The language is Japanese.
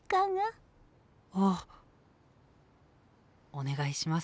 お願いします。